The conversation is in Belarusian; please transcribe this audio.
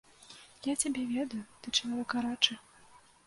Я цябе ведаю, ты чалавек гарачы.